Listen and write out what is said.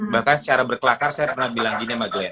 bahkan secara berkelakar saya pernah bilang gini sama glen